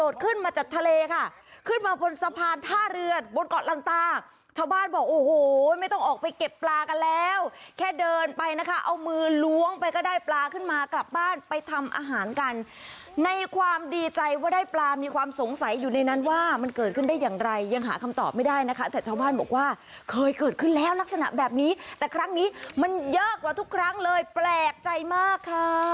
เกิดขึ้นมาจากทะเลค่ะขึ้นมาบนสะพานท่าเรือบนเกาะลันตาชาวบ้านบอกโอ้โหไม่ต้องออกไปเก็บปลากันแล้วแค่เดินไปนะคะเอามือล้วงไปก็ได้ปลาขึ้นมากลับบ้านไปทำอาหารกันในความดีใจว่าได้ปลามีความสงสัยอยู่ในนั้นว่ามันเกิดขึ้นได้อย่างไรยังหาคำตอบไม่ได้นะคะแต่ชาวบ้านบอกว่าเคยเกิดขึ้นแล้วลักษณะแบบนี้แต่ครั้งนี้มันเยอะกว่าทุกครั้งเลยแปลกใจมากค่ะ